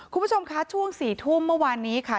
คุณผู้ชมคะช่วง๔ทุ่มเมื่อวานนี้ค่ะ